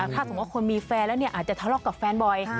ถ้าสมมุติคนมีแฟนแล้วอาจจะทะเลาะกับแฟนบ่อย